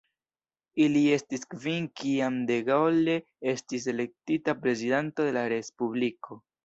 Ili estis kvin kiam de Gaulle estis elektita prezidanto de Respubliko.